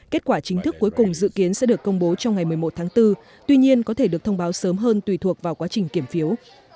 kết quả chính thức cuối cùng dự kiến sẽ được công bố trong ngày một mươi một tháng bốn tuy nhiên có thể được thông báo sớm hơn tùy thuộc vào quá trình kiểm phiếu